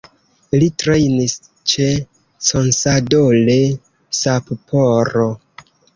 Li trejnis ĉe Consadole Sapporo.